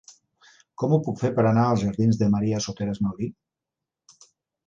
Com ho puc fer per anar a la jardins de Maria Soteras Mauri?